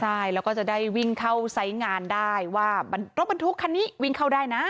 ใช่แล้วก็จะได้วิ่งเข้าไซส์งานได้ว่ารถบรรทุกคันนี้วิ่งเข้าได้นะ